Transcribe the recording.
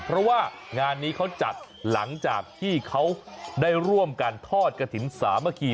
เพราะว่างานนี้เขาจัดหลังจากที่เขาได้ร่วมกันทอดกระถิ่นสามัคคี